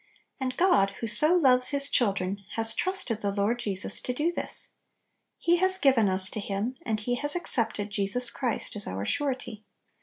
And God, who so loves His children, has trusted the Lord Jesus to do this. He has given us to Him, and He has accepted Jesus Christ as our Surety.